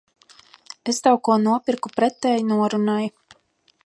Es tev ko nopirku pretēji norunai.